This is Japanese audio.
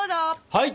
はい！